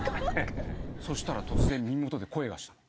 そしたら突然耳元で声がしたの。